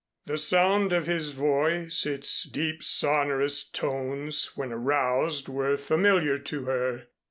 The sound of his voice, its deep sonorous tones when aroused were familiar to her.